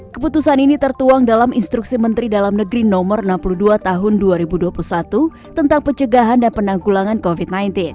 keputusan ini tertuang dalam instruksi menteri dalam negeri no enam puluh dua tahun dua ribu dua puluh satu tentang pencegahan dan penanggulangan covid sembilan belas